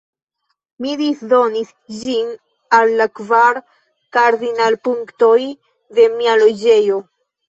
Mi disdonis ĝin al la kvar kardinalpunktoj de mia loĝejo.